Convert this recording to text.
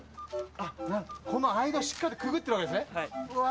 この間しっかりくぐってるわけですねはいうわ